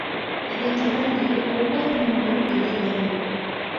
இதைத்தொடர்ந்து ஒவ்வொரு நூலும் வெளிவரும்.